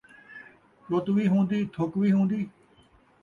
چُت وی ہون٘دی ، تُھک وی ہون٘دی